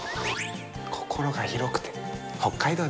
心が広くて北海道ですね。